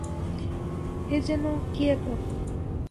এ যেন কী-এক-রকম!